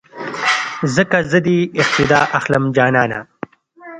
ځکه زه دې اقتیدا اخلم جانانه